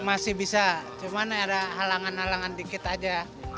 masih bisa cuma ada halangan halangan dikit aja